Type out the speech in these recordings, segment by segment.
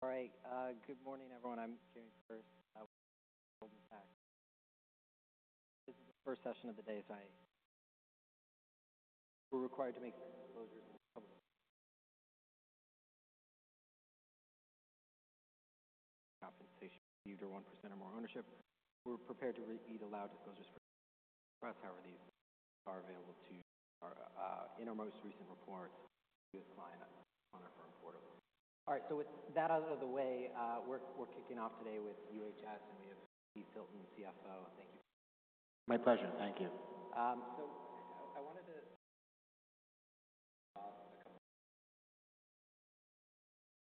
All right. Good morning, everyone. I'm James Burris. Welcome back. This is the first session of the day. We are required to make disclosures in public. Compensation for you to 1% or more ownership. We are prepared to repeat all disclosures for us, however, these are available in our most recent reports to this client on our firm portal. All right. With that out of the way, we are kicking off today with UHS, and we have Steve Filton, CFO. Thank you. My pleasure. Thank you. So I wanted to— a couple of questions.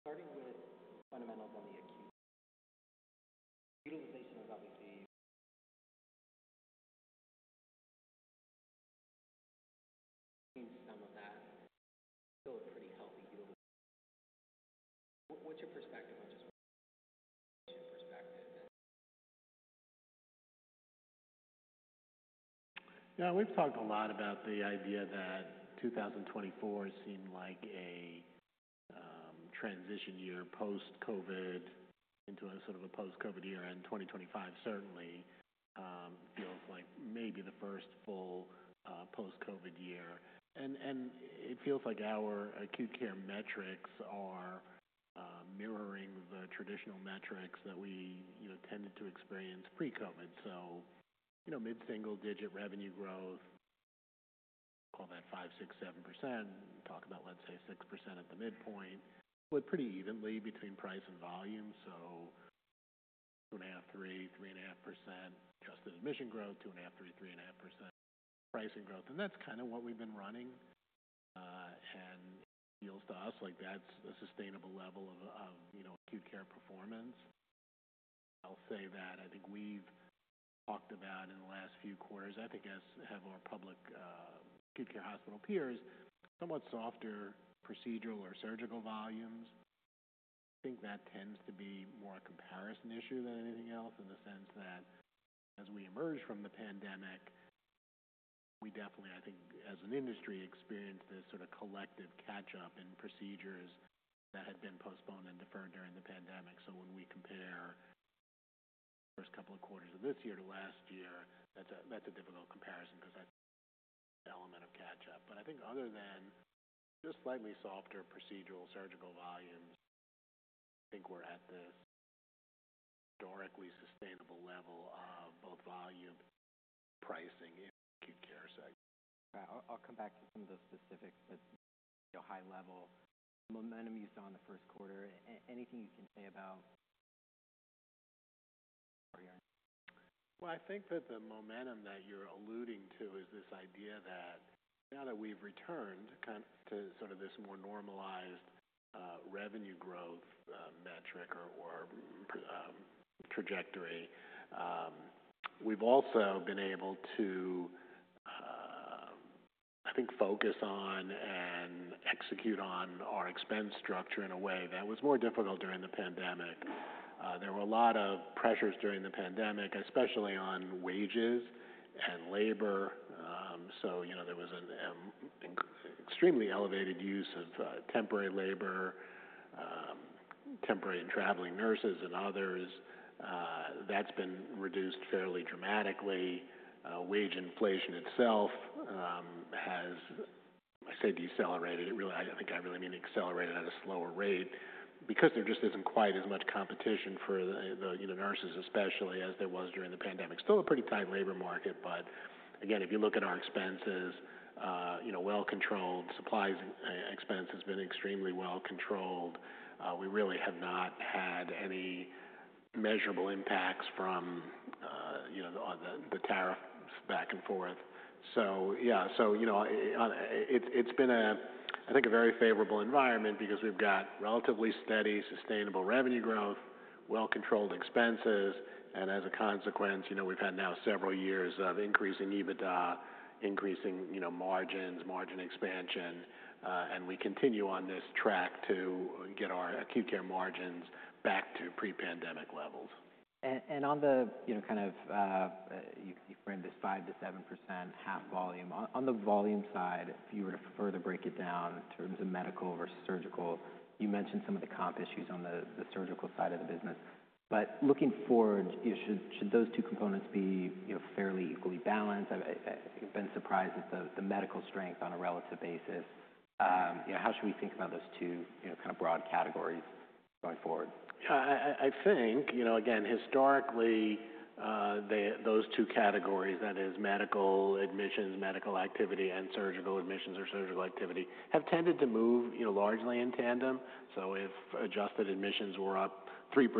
Starting with the fundamentals on the acute. Utilization is obviously— we've seen some of that. Still a pretty healthy utilization. What's your perspective on just from a utilization perspective and— Yeah. We've talked a lot about the idea that 2024 seemed like a transition year post-COVID into a sort of a post-COVID year. 2025 certainly feels like maybe the first full post-COVID year. It feels like our acute care metrics are mirroring the traditional metrics that we, you know, tended to experience pre-COVID. You know, mid-single digit revenue growth, call that 5%-6%-7%. Talk about, let's say, 6% at the midpoint. Split pretty evenly between price and volume. So 2.5%, 3, 3.5% adjusted admission growth, 2.5%, 3, 3.5% pricing growth. That's kind of what we've been running. It feels to us like that's a sustainable level of, you know, acute care performance. I'll say that I think we've talked about in the last few quarters, I think as have our public, acute care hospital peers, somewhat softer procedural or surgical volumes. I think that tends to be more a comparison issue than anything else in the sense that as we emerge from the pandemic, we definitely, I think as an industry, experienced this sort of collective catch-up in procedures that had been postponed and deferred during the pandemic. When we compare the first couple of quarters of this year to last year, that's a difficult comparison 'cause that's the element of catch-up. Other than just slightly softer procedural surgical volumes, I think we're at this historically sustainable level of both volume and pricing in the acute care segment. All right. I'll come back to some of those specifics, but, you know, high-level momentum you saw in the first quarter. Anything you can say about— I think that the momentum that you're alluding to is this idea that now that we've returned kind of to sort of this more normalized, revenue growth, metric or, or, trajectory, we've also been able to, I think, focus on and execute on our expense structure in a way that was more difficult during the pandemic. There were a lot of pressures during the pandemic, especially on wages and labor. So, you know, there was an extremely elevated use of temporary labor, temporary and traveling nurses and others. That's been reduced fairly dramatically. Wage inflation itself, has, I say decelerated. It really, I think I really mean accelerated at a slower rate because there just isn't quite as much competition for the, the, you know, nurses especially as there was during the pandemic. Still a pretty tight labor market. If you look at our expenses, you know, well-controlled supplies and expense has been extremely well-controlled. We really have not had any measurable impacts from, you know, the tariffs back and forth. Yeah. You know, it's been a, I think, a very favorable environment because we've got relatively steady, sustainable revenue growth, well-controlled expenses. As a consequence, you know, we've had now several years of increasing EBITDA, increasing, you know, margins, margin expansion. We continue on this track to get our acute care margins back to pre-pandemic levels. And on the, you know, kind of, you framed this 5%-7% half volume. On the volume side, if you were to further break it down in terms of medical versus surgical, you mentioned some of the comp issues on the surgical side of the business. But looking forward, you know, should those two components be, you know, fairly equally balanced? I've been surprised at the medical strength on a relative basis. You know, how should we think about those two, you know, kind of broad categories going forward? Yeah. I think, you know, again, historically, those two categories, that is medical admissions, medical activity, and surgical admissions or surgical activity, have tended to move, you know, largely in tandem. If adjusted admissions were up 3%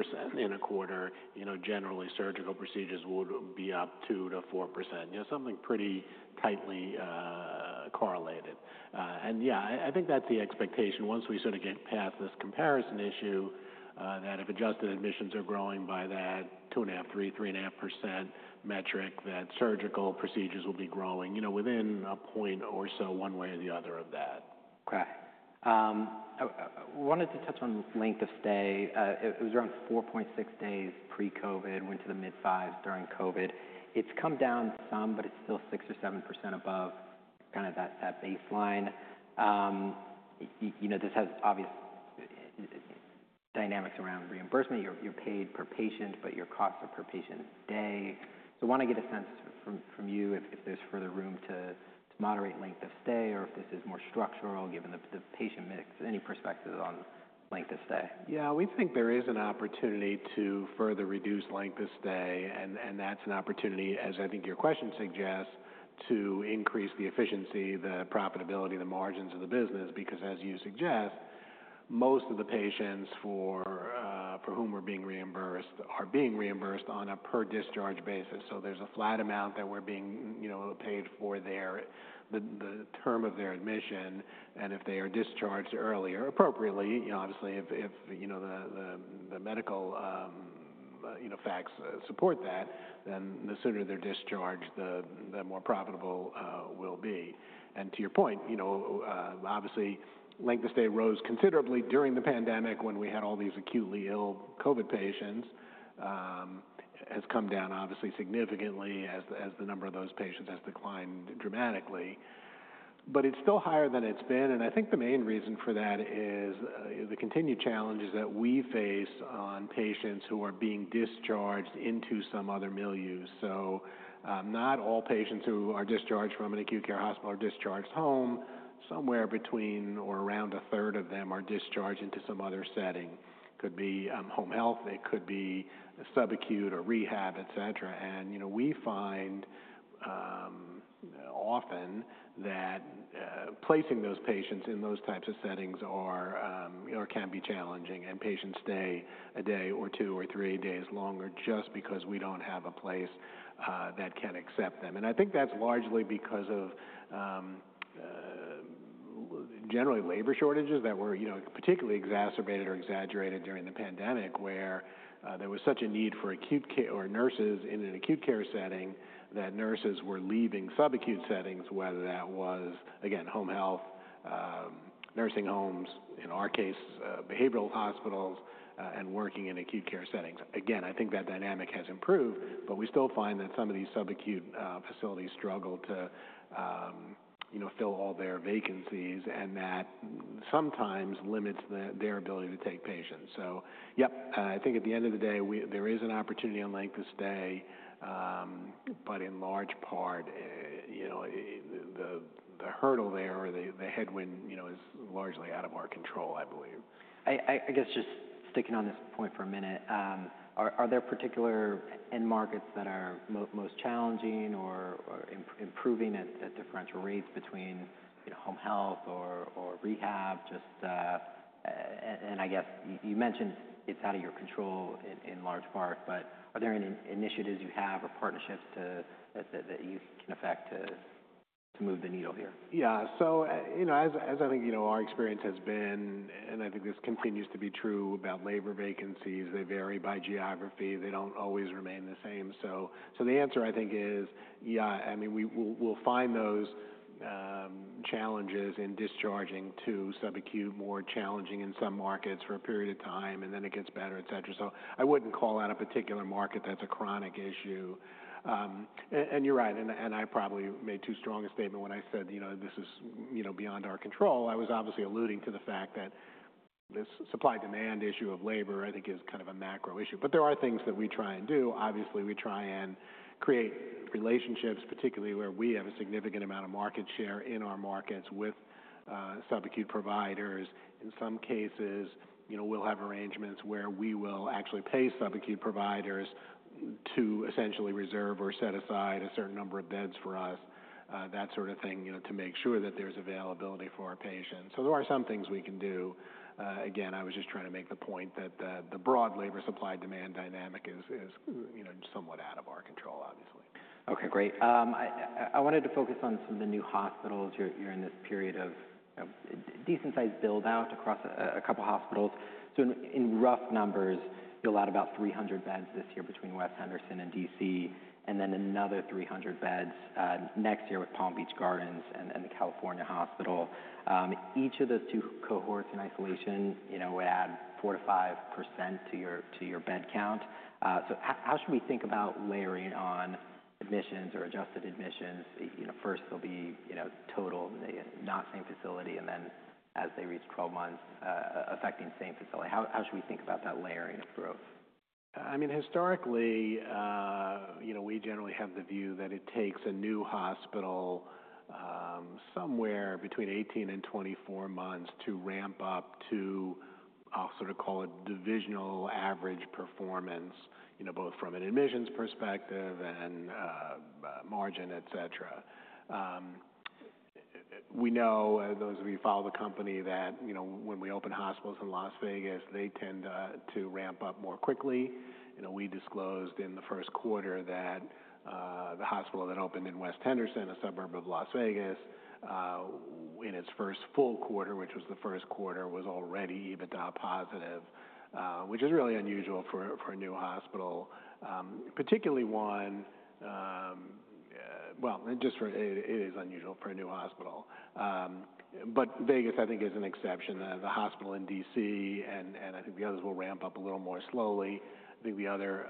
in a quarter, generally surgical procedures would be up 2-4%. You know, something pretty tightly correlated. Yeah, I think that's the expectation once we sort of get past this comparison issue, that if adjusted admissions are growing by that two and a half, 3, 3.5% metric, surgical procedures will be growing, you know, within a point or so one way or the other of that. Okay. I wanted to touch on length of stay. It was around 4.6 days pre-COVID, went to the mid-fives during COVID. It's come down some, but it's still 6-7% above kind of that baseline. You know, this has obvious dynamics around reimbursement. You're paid per patient, but your costs are per patient day. I want to get a sense from you if there's further room to moderate length of stay or if this is more structural given the patient mix. Any perspectives on length of stay? Yeah. We think there is an opportunity to further reduce length of stay. And that's an opportunity, as I think your question suggests, to increase the efficiency, the profitability, the margins of the business because, as you suggest, most of the patients for whom we're being reimbursed are being reimbursed on a per-discharge basis. So there's a flat amount that we're being, you know, paid for their, the term of their admission. And if they are discharged earlier appropriately, you know, obviously, if, you know, the medical, you know, facts support that, then the sooner they're discharged, the more profitable, will be. And to your point, you know, obviously, length of stay rose considerably during the pandemic when we had all these acutely ill COVID patients. It has come down obviously significantly as the number of those patients has declined dramatically. It's still higher than it's been. I think the main reason for that is the continued challenges that we face on patients who are being discharged into some other milieus. Not all patients who are discharged from an acute care hospital are discharged home. Somewhere between or around a third of them are discharged into some other setting. Could be home health. It could be subacute or rehab, etc. You know, we find often that placing those patients in those types of settings can be challenging. Patients stay a day or two or three days longer just because we don't have a place that can accept them. I think that's largely because of, generally, labor shortages that were, you know, particularly exacerbated or exaggerated during the pandemic where there was such a need for acute care or nurses in an acute care setting that nurses were leaving subacute settings, whether that was, again, home health, nursing homes, in our case, behavioral hospitals, and working in acute care settings. I think that dynamic has improved, but we still find that some of these subacute facilities struggle to, you know, fill all their vacancies and that sometimes limits their ability to take patients. Yep, I think at the end of the day, there is an opportunity on length of stay, but in large part, you know, the hurdle there or the headwind, you know, is largely out of our control, I believe. I guess just sticking on this point for a minute, are there particular end markets that are most challenging or improving at differential rates between, you know, home health or rehab? Just, and I guess you mentioned it's out of your control in large part, but are there any initiatives you have or partnerships to that, that you can affect to move the needle here? Yeah. So, you know, as I think, you know, our experience has been, and I think this continues to be true about labor vacancies. They vary by geography. They do not always remain the same. The answer I think is, yeah, I mean, we will, we will find those challenges in discharging to subacute more challenging in some markets for a period of time, and then it gets better, etc. I would not call out a particular market that is a chronic issue. And you are right. I probably made too strong a statement when I said, you know, this is, you know, beyond our control. I was obviously alluding to the fact that this supply-demand issue of labor I think is kind of a macro issue. There are things that we try and do. Obviously, we try and create relationships, particularly where we have a significant amount of market share in our markets with subacute providers. In some cases, you know, we'll have arrangements where we will actually pay subacute providers to essentially reserve or set aside a certain number of beds for us, that sort of thing, you know, to make sure that there's availability for our patients. There are some things we can do. Again, I was just trying to make the point that the broad labor supply-demand dynamic is, you know, somewhat out of our control, obviously. Okay. Great. I wanted to focus on some of the new hospitals. You're in this period of decent-sized buildout across a couple of hospitals. In rough numbers, you allotted about 300 beds this year between West Henderson and DC and then another 300 beds next year with Palm Beach Gardens and the California hospital. Each of those two cohorts in isolation, you know, would add 4-5% to your bed count. How should we think about layering on admissions or adjusted admissions? You know, first they'll be total, not same facility, and then as they reach 12 months, affecting same facility. How should we think about that layering of growth? I mean, historically, you know, we generally have the view that it takes a new hospital somewhere between 18 and 24 months to ramp up to, I'll sort of call it, divisional average performance, you know, both from an admissions perspective and margin, etc. We know, those of you who follow the company, that, you know, when we open hospitals in Las Vegas, they tend to ramp up more quickly. You know, we disclosed in the first quarter that the hospital that opened in West Henderson, a suburb of Las Vegas, in its first full quarter, which was the first quarter, was already EBITDA positive, which is really unusual for a new hospital, particularly one, well, just for it, it is unusual for a new hospital. Vegas, I think, is an exception. The hospital in DC, and I think the others will ramp up a little more slowly. I think the other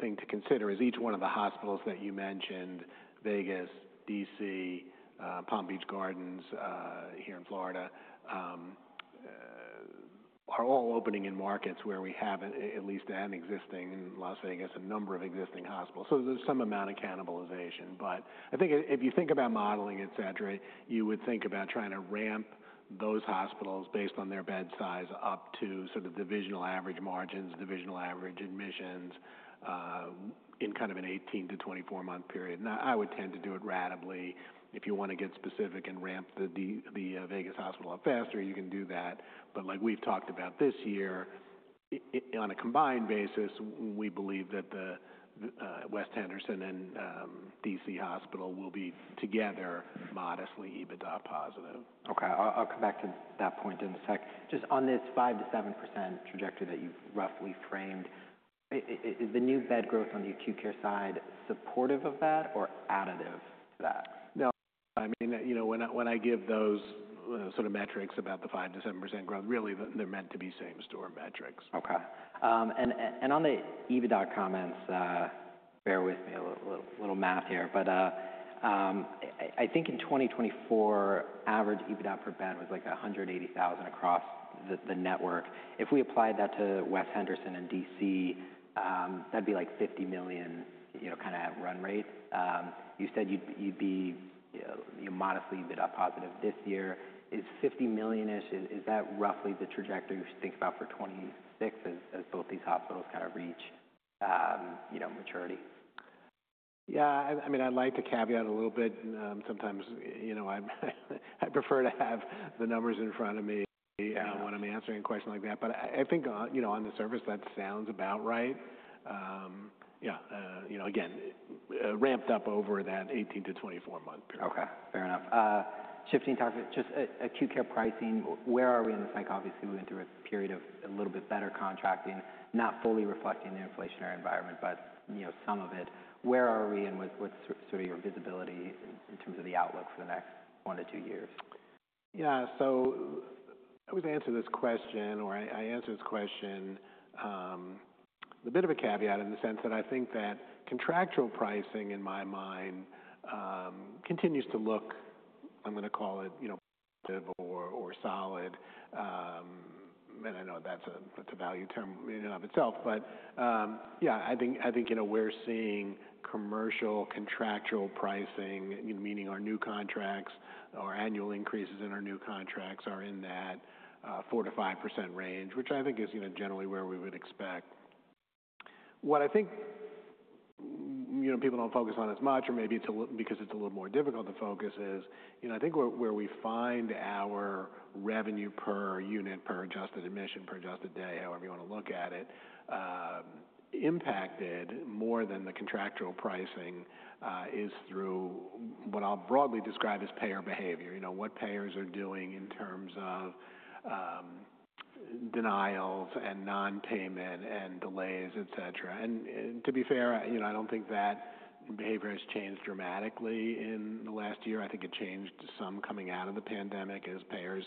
thing to consider is each one of the hospitals that you mentioned, Vegas, DC, Palm Beach Gardens, here in Florida, are all opening in markets where we have at least an existing, in Las Vegas, a number of existing hospitals. There is some amount of cannibalization. I think if you think about modeling, etc., you would think about trying to ramp those hospitals based on their bed size up to sort of divisional average margins, divisional average admissions, in kind of an 18-24 month period. I would tend to do it radically. If you want to get specific and ramp the Vegas hospital up faster, you can do that. Like we've talked about this year, on a combined basis, we believe that the West Henderson and DC hospital will be together modestly EBITDA positive. Okay. I'll come back to that point in a sec. Just on this 5-7% trajectory that you've roughly framed, is the new bed growth on the acute care side supportive of that or additive to that? No. I mean, you know, when I, when I give those sort of metrics about the 5-7% growth, really they're meant to be same-store metrics. Okay, and on the EBITDA comments, bear with me a little math here. But, I think in 2024, average EBITDA per bed was like $180,000 across the network. If we applied that to West Henderson and DC, that'd be like $50 million, you know, kind of at run rate. You said you'd be, you know, modestly EBITDA positive this year. Is $50 million-ish, is that roughly the trajectory we should think about for 2026 as both these hospitals kind of reach, you know, maturity? Yeah. I mean, I like to caveat a little bit. Sometimes, you know, I prefer to have the numbers in front of me when I'm answering a question like that. But I think, you know, on the surface, that sounds about right. Yeah. You know, again, ramped up over that 18-24 month period. Okay. Fair enough. Shifting topic, just a, a acute care pricing. Where are we in the cycle? Obviously, we went through a period of a little bit better contracting, not fully reflecting the inflationary environment, but, you know, some of it. Where are we and what's, what's sort of your visibility in terms of the outlook for the next one to two years? Yeah. I always answer this question, or I answer this question with a bit of a caveat in the sense that I think that contractual pricing, in my mind, continues to look, I'm going to call it, you know, positive or solid. I know that's a value term in and of itself. Yeah, I think, you know, we're seeing commercial contractual pricing, meaning our new contracts or annual increases in our new contracts are in that 4-5% range, which I think is, you know, generally where we would expect. What I think, you know, people don't focus on as much or maybe it's a little because it's a little more difficult to focus is, you know, I think where, where we find our revenue per unit per adjusted admission, per adjusted day, however you want to look at it, impacted more than the contractual pricing, is through what I'll broadly describe as payer behavior, you know, what payers are doing in terms of denials and non-payment and delays, etc. And, to be fair, I, you know, I don't think that behavior has changed dramatically in the last year. I think it changed some coming out of the pandemic as payers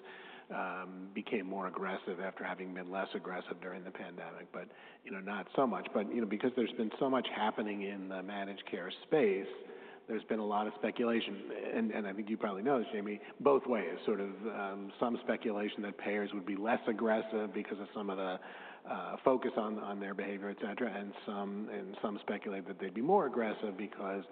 became more aggressive after having been less aggressive during the pandemic. But, you know, not so much. You know, because there's been so much happening in the managed care space, there's been a lot of speculation. I think you probably know this, Jamie, both ways, sort of, some speculation that payers would be less aggressive because of some of the focus on their behavior, etc. And some speculate that they'd be more aggressive because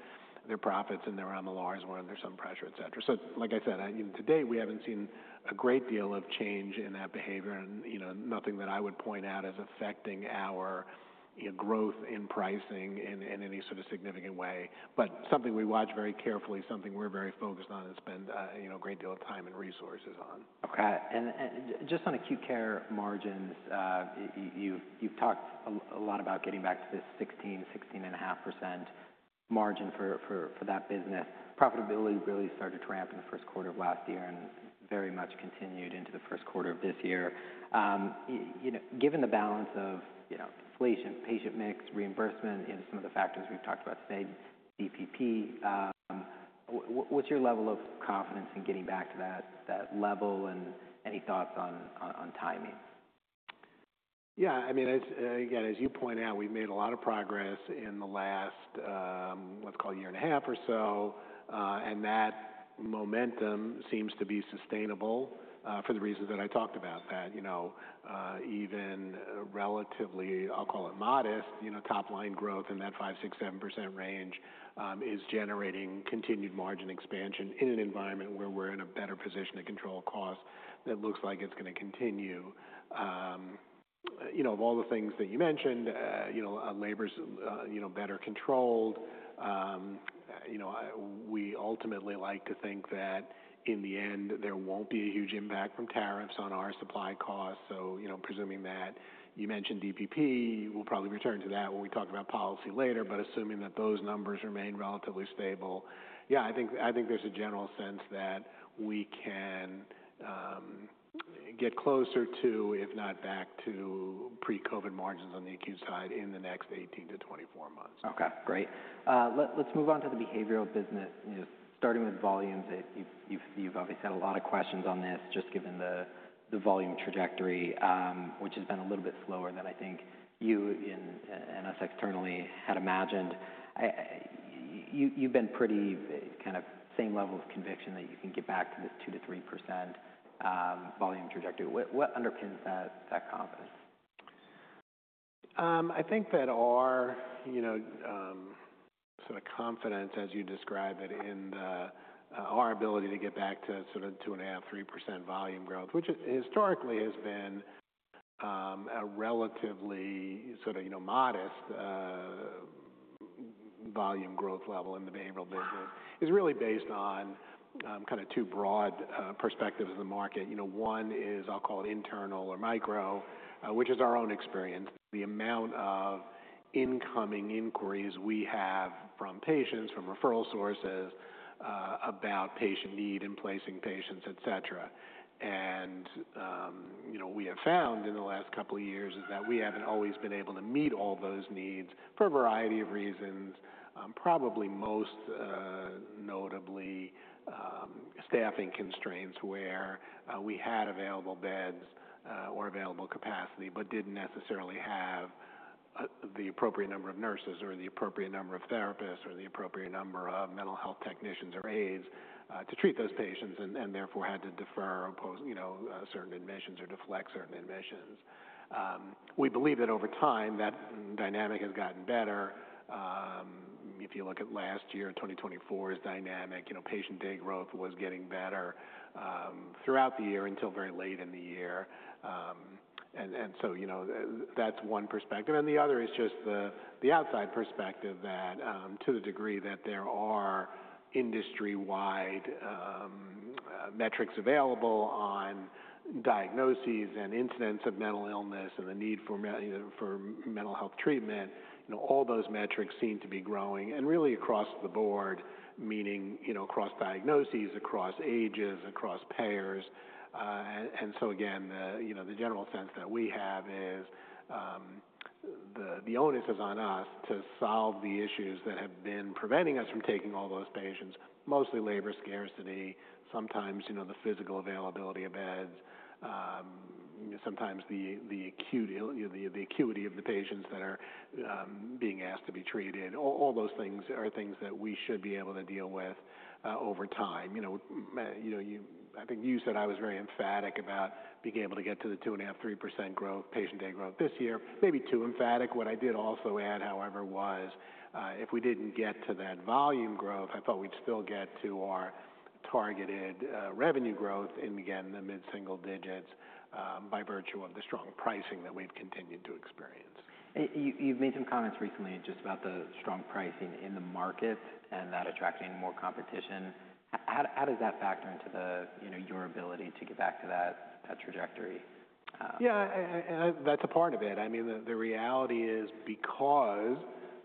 their profits and their MLRs were under some pressure, etc. Like I said, you know, to date, we haven't seen a great deal of change in that behavior and, you know, nothing that I would point out as affecting our, you know, growth in pricing in any sort of significant way. It is something we watch very carefully, something we're very focused on and spend, you know, a great deal of time and resources on. Okay. And just on acute care margins, you, you've talked a lot about getting back to the 16-16.5% margin for that business. Profitability really started to ramp in the first quarter of last year and very much continued into the first quarter of this year. You know, given the balance of, you know, inflation, patient mix, reimbursement, you know, some of the factors we've talked about today, DPP, what's your level of confidence in getting back to that level and any thoughts on timing? Yeah. I mean, as, again, as you point out, we've made a lot of progress in the last, let's call it a year and a half or so, and that momentum seems to be sustainable, for the reasons that I talked about, that, you know, even relatively, I'll call it modest, you know, top-line growth in that 5-7% range, is generating continued margin expansion in an environment where we're in a better position to control costs that looks like it's going to continue. You know, of all the things that you mentioned, you know, labor's, you know, better controlled. You know, we ultimately like to think that in the end, there won't be a huge impact from tariffs on our supply costs. So, you know, presuming that you mentioned DPP, we'll probably return to that when we talk about policy later. Assuming that those numbers remain relatively stable, yeah, I think, I think there's a general sense that we can get closer to, if not back to, pre-COVID margins on the acute side in the next 18-24 months. Okay. Great. Let's move on to the behavioral business, you know, starting with volumes. You've obviously had a lot of questions on this just given the volume trajectory, which has been a little bit slower than I think you and us externally had imagined. You've been pretty kind of same level of conviction that you can get back to this 2-3% volume trajectory. What underpins that confidence? I think that our, you know, sort of confidence, as you describe it, in our ability to get back to sort of 2.5-3% volume growth, which historically has been a relatively sort of, you know, modest volume growth level in the behavioral business, is really based on kind of two broad perspectives of the market. You know, one is, I'll call it internal or micro, which is our own experience, the amount of incoming inquiries we have from patients, from referral sources, about patient need and placing patients, etc. You know, we have found in the last couple of years that we have not always been able to meet all those needs for a variety of reasons, probably most notably staffing constraints where we had available beds or available capacity but did not necessarily have the appropriate number of nurses or the appropriate number of therapists or the appropriate number of mental health technicians or aides to treat those patients and therefore had to defer, you know, certain admissions or deflect certain admissions. We believe that over time that dynamic has gotten better. If you look at last year, 2024, this dynamic, you know, patient day growth was getting better throughout the year until very late in the year. You know, that is one perspective. The other is just the outside perspective that, to the degree that there are industry-wide metrics available on diagnoses and incidents of mental illness and the need for, you know, for mental health treatment, you know, all those metrics seem to be growing and really across the board, meaning, you know, across diagnoses, across ages, across payers. The general sense that we have is the onus is on us to solve the issues that have been preventing us from taking all those patients, mostly labor scarcity, sometimes, you know, the physical availability of beds, sometimes the acute, you know, the acuity of the patients that are being asked to be treated. All those things are things that we should be able to deal with over time. You know, I think you said I was very emphatic about being able to get to the 2.5-3% growth, patient day growth this year, maybe too emphatic. What I did also add, however, was, if we didn't get to that volume growth, I thought we'd still get to our targeted revenue growth in, again, the mid-single digits, by virtue of the strong pricing that we've continued to experience. You, you've made some comments recently just about the strong pricing in the market and that attracting more competition. How does that factor into the, you know, your ability to get back to that, that trajectory? Yeah. And that's a part of it. I mean, the reality is because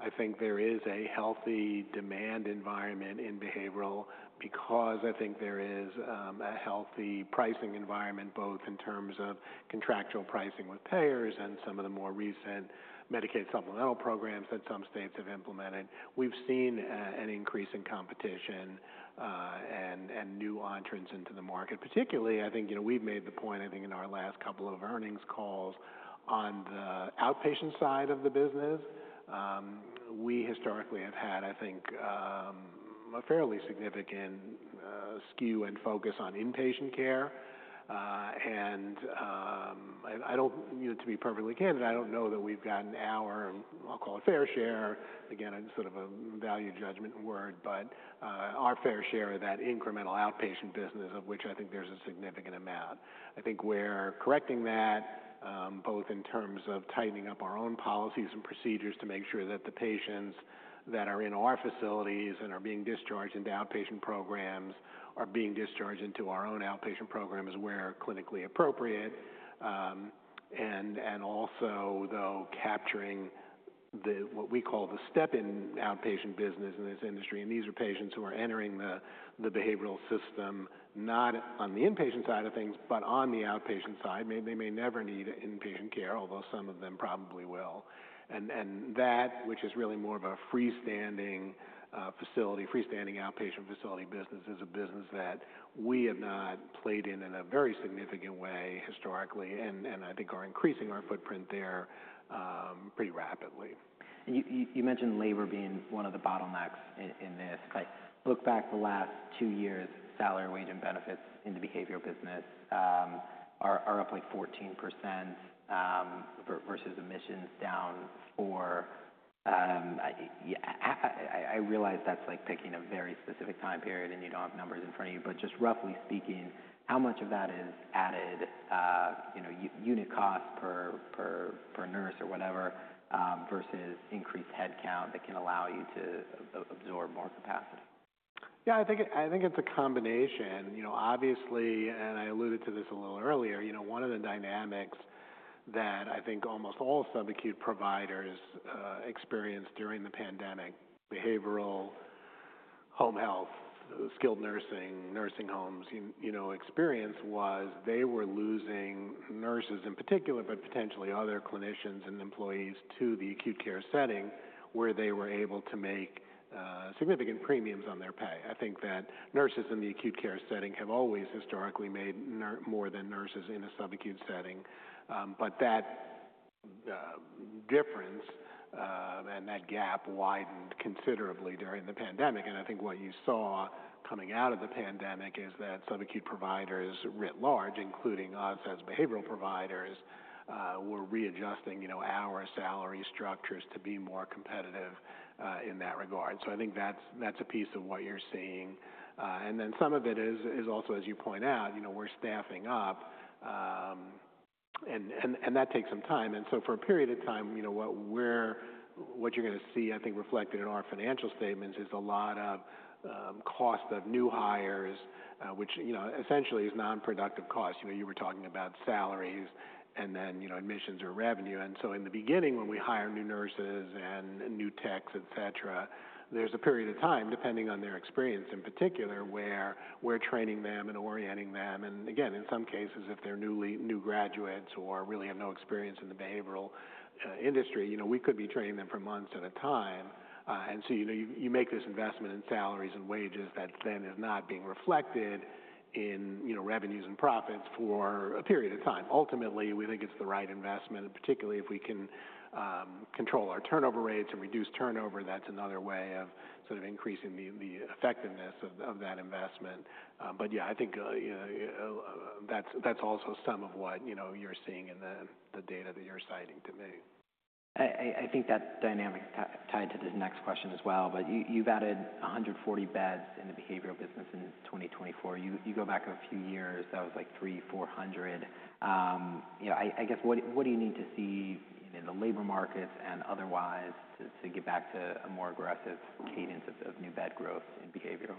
I think there is a healthy demand environment in behavioral, because I think there is a healthy pricing environment both in terms of contractual pricing with payers and some of the more recent Medicaid supplemental programs that some states have implemented. We've seen an increase in competition, and new entrants into the market. Particularly, I think, you know, we've made the point, I think, in our last couple of earnings calls on the outpatient side of the business. We historically have had, I think, a fairly significant skew and focus on inpatient care. I don't, you know, to be perfectly candid, I don't know that we've got, I'll call it fair share, again, a sort of a value judgment word, but our fair share of that incremental outpatient business, of which I think there's a significant amount. I think we're correcting that, both in terms of tightening up our own policies and procedures to make sure that the patients that are in our facilities and are being discharged into outpatient programs are being discharged into our own outpatient programs where clinically appropriate. Also, though, capturing the, what we call the step-in outpatient business in this industry. These are patients who are entering the behavioral system, not on the inpatient side of things, but on the outpatient side. They may never need inpatient care, although some of them probably will. That, which is really more of a freestanding facility, freestanding outpatient facility business, is a business that we have not played in in a very significant way historically. I think are increasing our footprint there pretty rapidly. You mentioned labor being one of the bottlenecks in this. If I look back the last two years, salary, wage, and benefits in the behavioral business are up like 14%, versus admissions down 4%. I realize that's like picking a very specific time period and you don't have numbers in front of you, but just roughly speaking, how much of that is added, you know, unit cost per nurse or whatever, versus increased headcount that can allow you to absorb more capacity? Yeah. I think it, I think it's a combination, you know, obviously, and I alluded to this a little earlier, you know, one of the dynamics that I think almost all subacute providers experienced during the pandemic, behavioral, home health, skilled nursing, nursing homes, you, you know, experience was they were losing nurses in particular, but potentially other clinicians and employees to the acute care setting where they were able to make significant premiums on their pay. I think that nurses in the acute care setting have always historically made more than nurses in a subacute setting. That difference, and that gap widened considerably during the pandemic. I think what you saw coming out of the pandemic is that subacute providers writ large, including us as behavioral providers, were readjusting, you know, our salary structures to be more competitive in that regard. I think that's a piece of what you're seeing, and then some of it is also, as you point out, you know, we're staffing up, and that takes some time. For a period of time, you know, what we're, what you're going to see, I think reflected in our financial statements is a lot of cost of new hires, which, you know, essentially is nonproductive costs. You know, you were talking about salaries and then, you know, admissions or revenue. In the beginning, when we hire new nurses and new techs, etc., there's a period of time depending on their experience in particular where we're training them and orienting them. Again, in some cases, if they're newly, new graduates or really have no experience in the behavioral industry, you know, we could be training them for months at a time. And so, you know, you make this investment in salaries and wages that then is not being reflected in, you know, revenues and profits for a period of time. Ultimately, we think it's the right investment, particularly if we can control our turnover rates and reduce turnover. That's another way of sort of increasing the effectiveness of that investment. Yeah, I think, you know, that's also some of what, you know, you're seeing in the data that you're citing to me. I think that dynamic tied to this next question as well, but you, you've added 140 beds in the behavioral business in 2024. You go back a few years, that was like 300, 400. You know, I guess what do you need to see in the labor markets and otherwise to get back to a more aggressive cadence of new bed growth in behavioral?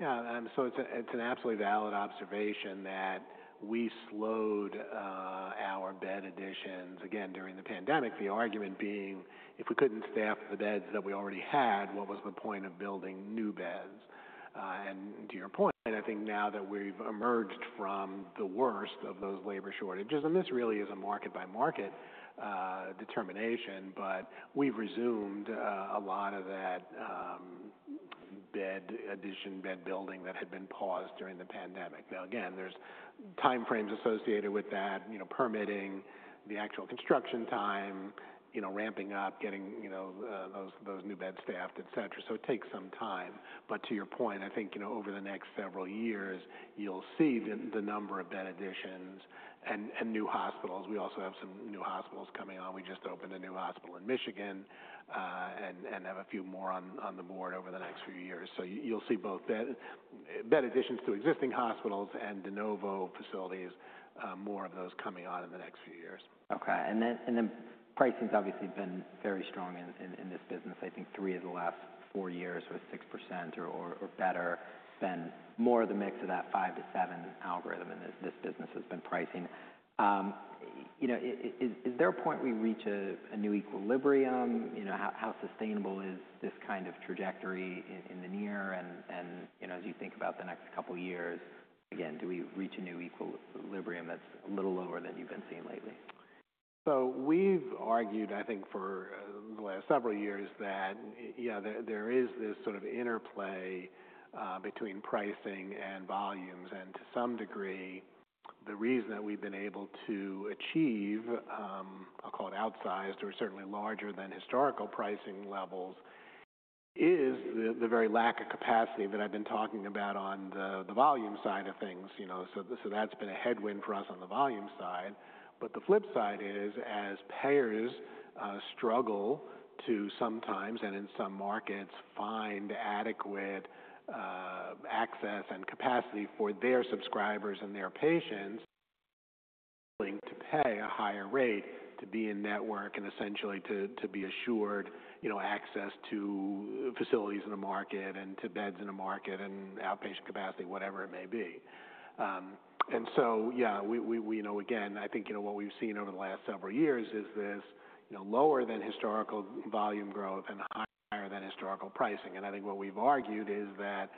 Yeah. So it's a, it's an absolutely valid observation that we slowed our bed additions again during the pandemic, the argument being if we couldn't staff the beds that we already had, what was the point of building new beds? And to your point, I think now that we've emerged from the worst of those labor shortages, and this really is a market by market determination, but we've resumed a lot of that bed addition, bed building that had been paused during the pandemic. Now, again, there's timeframes associated with that, you know, permitting, the actual construction time, you know, ramping up, getting, you know, those new beds staffed, etc. It takes some time. But to your point, I think, you know, over the next several years, you'll see the number of bed additions and new hospitals. We also have some new hospitals coming on. We just opened a new hospital in Michigan, and have a few more on the board over the next few years. You'll see both bed additions to existing hospitals and De novo facilities, more of those coming on in the next few years. Okay. And then pricing's obviously been very strong in this business. I think three of the last four years was 6% or better, and more of the mix of that five to seven algorithm in this business has been pricing. You know, is there a point we reach a new equilibrium? You know, how sustainable is this kind of trajectory in the near and, you know, as you think about the next couple of years, again, do we reach a new equilibrium that's a little lower than you've been seeing lately? We've argued, I think for the last several years that, you know, there is this sort of interplay between pricing and volumes. To some degree, the reason that we've been able to achieve, I'll call it outsized or certainly larger than historical pricing levels is the very lack of capacity that I've been talking about on the volume side of things, you know. That's been a headwind for us on the volume side. The flip side is as payers struggle to sometimes and in some markets find adequate access and capacity for their subscribers and their patients to pay a higher rate to be in network and essentially to be assured, you know, access to facilities in the market and to beds in the market and outpatient capacity, whatever it may be. Yeah, we, you know, again, I think, you know, what we've seen over the last several years is this lower than historical volume growth and higher than historical pricing. I think what we've argued is that,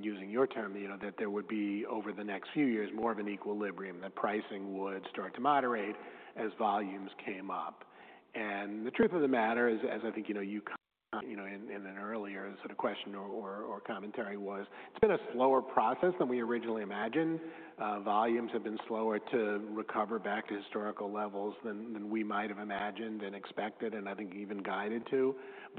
using your term, there would be over the next few years more of an equilibrium, that pricing would start to moderate as volumes came up. The truth of the matter is, as I think, you know, in an earlier sort of question or commentary, it's been a slower process than we originally imagined. Volumes have been slower to recover back to historical levels than we might've imagined and expected and I think even guided to.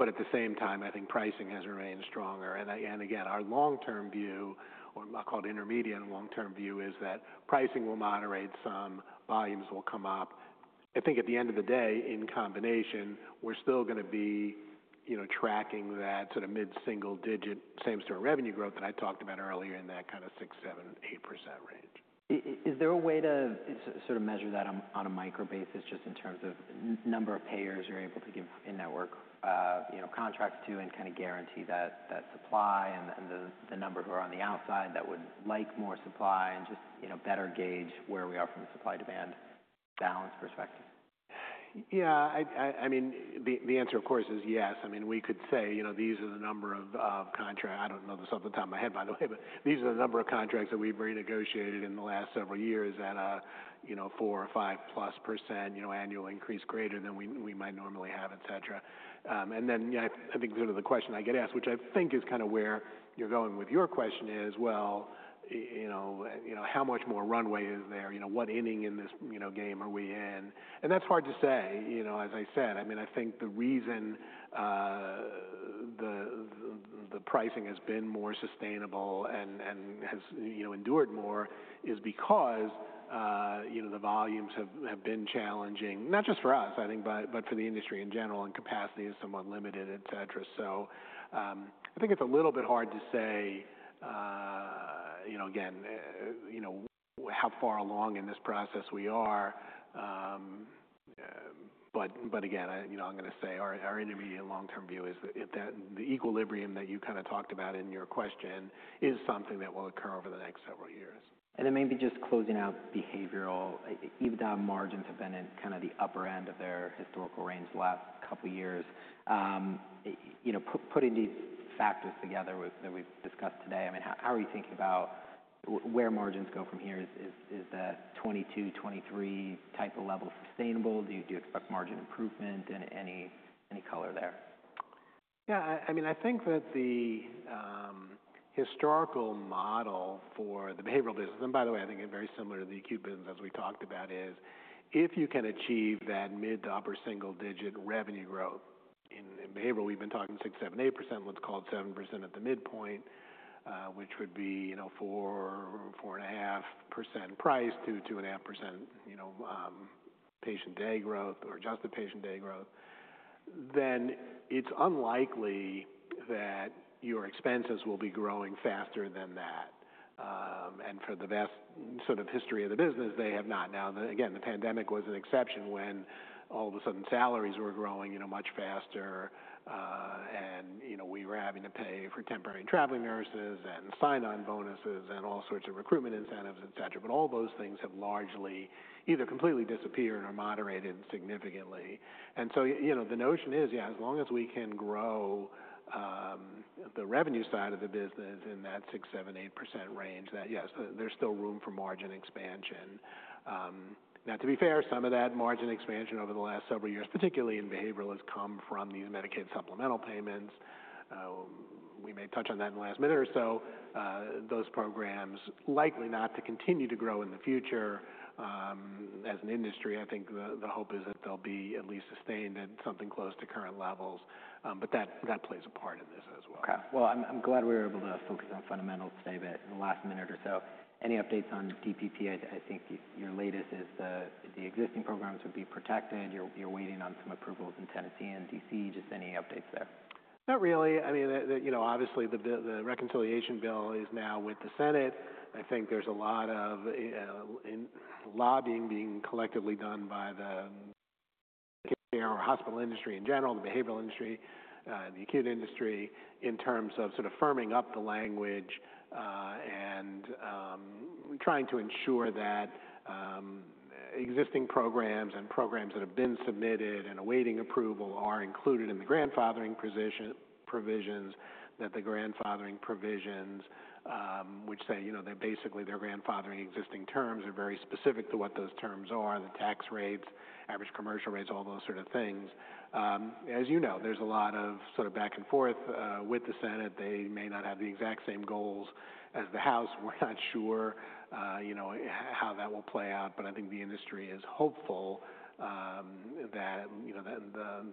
At the same time, I think pricing has remained stronger. I, and again, our long-term view, or I'll call it intermediate and long-term view is that pricing will moderate some, volumes will come up. I think at the end of the day, in combination, we're still going to be, you know, tracking that sort of mid-single digit same-store revenue growth that I talked about earlier in that kind of 6%-7%-8% range. Is there a way to sort of measure that on a micro basis just in terms of number of payers you're able to give in-network contracts to and kind of guarantee that supply and the number who are on the outside that would like more supply and just, you know, better gauge where we are from a supply-demand balance perspective? Yeah. I mean, the answer of course is yes. I mean, we could say, you know, these are the number of contracts. I don't know this off the top of my head, by the way, but these are the number of contracts that we've renegotiated in the last several years at a, you know, 4-5% annual increase greater than we might normally have, etc. and then, you know, I think sort of the question I get asked, which I think is kind of where you're going with your question is, you know, how much more runway is there? You know, what inning in this game are we in? That's hard to say, you know, as I said, I mean, I think the reason the pricing has been more sustainable and has endured more is because, you know, the volumes have been challenging, not just for us, I think, but for the industry in general and capacity is somewhat limited, etc. I think it's a little bit hard to say, you know, again, you know, how far along in this process we are. Again, I, you know, I'm going to say our intermediate long-term view is that the equilibrium that you kind of talked about in your question is something that will occur over the next several years. Maybe just closing out behavioral, even though margins have been in kind of the upper end of their historical range the last couple of years, you know, putting these factors together that we've discussed today, I mean, how are you thinking about where margins go from here? Is the 2022-2023 type of level sustainable? Do you expect margin improvement and any color there? Yeah. I mean, I think that the historical model for the behavioral business, and by the way, I think it's very similar to the acute business as we talked about, is if you can achieve that mid to upper single digit revenue growth in behavioral, we've been talking 6%-7%-8%, let's call it 7% at the midpoint, which would be, you know, 4%, 4.5% price to 2.5%, you know, patient day growth or just the patient day growth, then it's unlikely that your expenses will be growing faster than that. For the vast sort of history of the business, they have not. Now, again, the pandemic was an exception when all of a sudden salaries were growing, you know, much faster, and, you know, we were having to pay for temporary traveling nurses and sign-on bonuses and all sorts of recruitment incentives, etc. All those things have largely either completely disappeared or moderated significantly. You know, the notion is, yeah, as long as we can grow the revenue side of the business in that 6%-7%-8% range, that yes, there's still room for margin expansion. Now, to be fair, some of that margin expansion over the last several years, particularly in behavioral, has come from these Medicaid supplemental payments. We may touch on that in the last minute or so. Those programs likely not to continue to grow in the future. As an industry, I think the hope is that they'll be at least sustained at something close to current levels. That plays a part in this as well. Okay. I'm glad we were able to focus on fundamentals today, but in the last minute or so, any updates on DPP? I think your latest is the existing programs would be protected. You're waiting on some approvals in Tennessee and DC. Just any updates there? Not really. I mean, obviously the reconciliation bill is now with the Senate. I think there's a lot of lobbying being collectively done by the care or hospital industry in general, the behavioral industry, the acute industry in terms of sort of firming up the language, and trying to ensure that existing programs and programs that have been submitted and awaiting approval are included in the grandfathering provisions, that the grandfathering provisions, which say, you know, they're basically, they're grandfathering existing terms are very specific to what those terms are, the tax rates, average commercial rates, all those sort of things. As you know, there's a lot of sort of back and forth with the Senate. They may not have the exact same goals as the House. We're not sure, you know, how that will play out, but I think the industry is hopeful, you know, that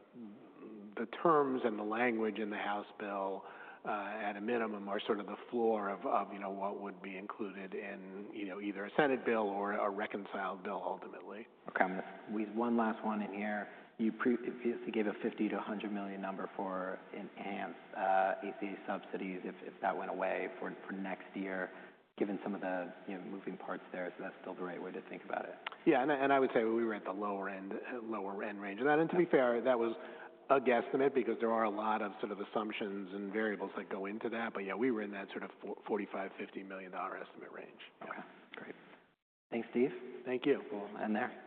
the terms and the language in the House bill, at a minimum, are sort of the floor of, you know, what would be included in either a Senate bill or a reconciled bill ultimately. Okay. We have one last one in here. You previously gave a $50 million-$100 million number for enhanced ACA subsidies if, if that went away for, for next year, given some of the, you know, moving parts there. Is that still the right way to think about it? Yeah. I would say we were at the lower end, lower end range of that. To be fair, that was a guesstimate because there are a lot of sort of assumptions and variables that go into that. Yeah, we were in that sort of $45 million-$50 million estimate range. Okay. Great. Thanks, Steve. Thank you. We'll end there.